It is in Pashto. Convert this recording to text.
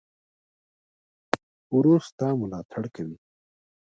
ورور ستا ملاتړ کوي.